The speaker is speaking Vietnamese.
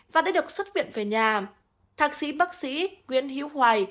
và đã được xuất viện về nhà thạc sĩ bác sĩ nguyễn hiễu hoài